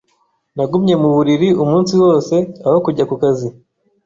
Nagumye mu buriri umunsi wose aho kujya ku kazi.